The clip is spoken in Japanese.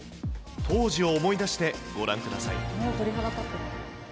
当時を思い出してご覧ください。